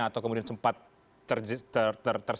atau kemudian sempat terseret